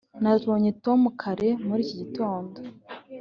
nabonye tom kare muri iki gitondo.